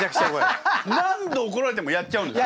何度おこられてもやっちゃうんですよ。